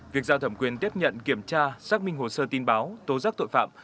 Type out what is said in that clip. việc giao thẩm quyền tiếp nhận kiểm tra xác minh hồ sơ tin báo tố giác tội phạm